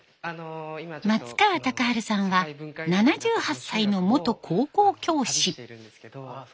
松川隆治さんは７８歳の元高校教師。